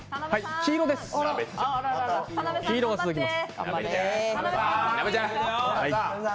黄色が続きます。